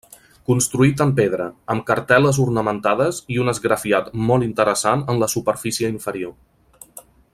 Construït en pedra, amb cartel·les ornamentades i un esgrafiat molt interessant en la superfície inferior.